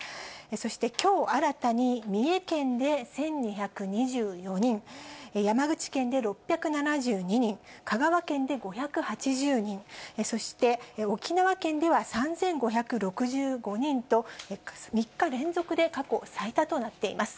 そして、きょう新たに三重県で１２２４人、山口県で６７２人、香川県で５８０人、そして沖縄県では３５６５人と、３日連続で過去最多となっています。